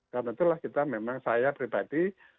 karena itulah kita memang saya pribadi